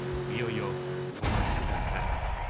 いよいよその幕が上がる。